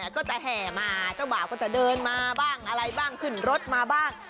ก็จะแห่มาเจ้าบ่าวก็จะเดินมาบ้างอะไรบ้างขึ้นรถมาบ้าง